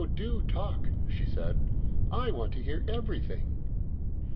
do talk," she said. "I want to hear everything."